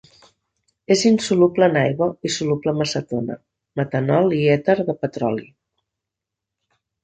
És insoluble en aigua i soluble en acetona, metanol i èter de petroli.